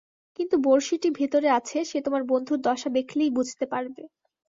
কিন্তু বঁড়শিটি ভিতরে আছে, সে তোমার বন্ধুর দশা দেখলেই বুঝতে পারবে।